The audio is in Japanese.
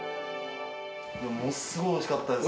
ものすごいおいしかったです。